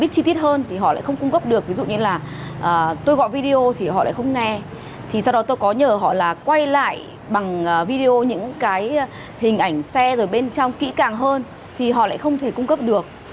chị càng hơn thì họ lại không thể cung cấp được